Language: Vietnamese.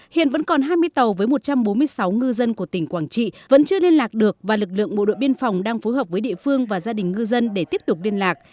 hiện vẫn còn hai mươi tàu với một trăm bốn mươi sáu ngư dân của tỉnh quảng trị vẫn chưa liên lạc được và lực lượng bộ đội biên phòng đang phối hợp với địa phương và gia đình ngư dân để tiếp tục liên lạc